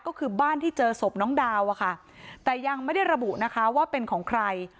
ก็คือบ้านที่เจอศพน้องดาวอะค่ะแต่ยังไม่ได้ระบุนะคะว่าเป็นของใคร